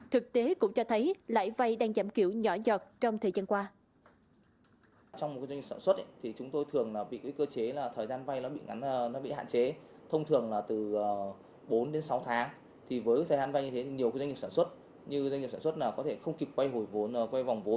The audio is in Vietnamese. thực tế cũng cho thấy lãi vay đang giảm kiểu nhỏ dọt trong thời gian qua